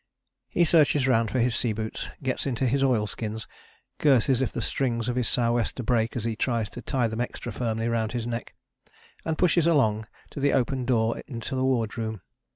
He searches round for his sea boots, gets into his oilskins, curses if the strings of his sou'wester break as he tries to tie them extra firmly round his neck, and pushes along to the open door into the wardroom.